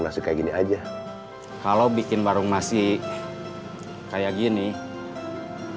nasi kayak gini aja kalau bikin warung masih kayak gini kalau bikin warung nasi kayak gini kalau bikin warung nasi kayak gini